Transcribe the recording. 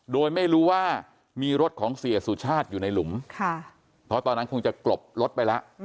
โดยไม่รู้ว่ามีรถของเสียสุชาติอยู่ในหลุมเพราะตอนนั้นคงจะกลบรถไปแล้ว